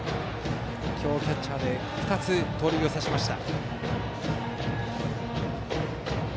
今日、キャッチャーで２つ、盗塁を刺しました。